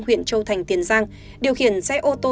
huyện châu thành tiền giang điều khiển xe ô tô